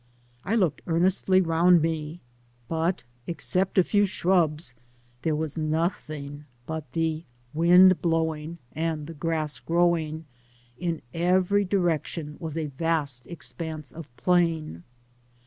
I looked earnestly round me^ but> except a few scrubs, there was nothing but •* the wind blowing and the grass growing,^' — ^in every direction was a vast expanse of plain.